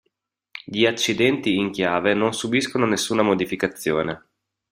Gli accidenti in chiave non subiscono nessuna modificazione.